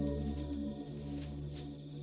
tidak ada yang bisa dihukum